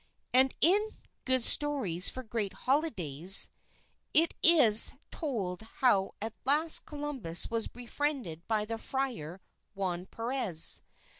And in "Good Stories for Great Holidays," it is told how at last Columbus was befriended by the Friar Juan Perez.